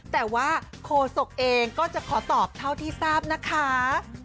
แต่ว่าโคศกเองก็จะขอตอบเท่าที่ทราบนะคะ